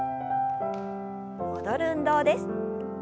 戻る運動です。